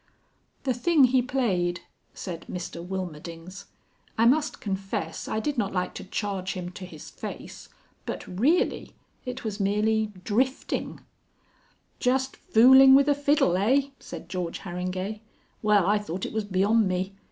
"The thing he played," said Mr Wilmerdings," I must confess I did not like to charge him to his face. But really! It was merely drifting." "Just fooling with a fiddle, eigh?" said George Harringay. "Well I thought it was beyond me.